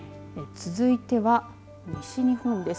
続いては、西日本です。